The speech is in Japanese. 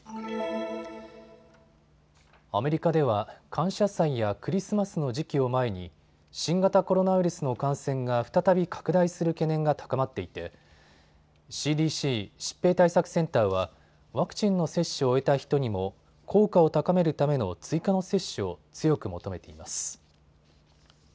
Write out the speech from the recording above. アメリカでは感謝祭やクリスマスの時期を前に新型コロナウイルスの感染が再び拡大する懸念が高まっていてＣＤＣ・疾病対策センターはワクチンの接種を終えた人にも効果を高めるための追加の接種を強く求めています。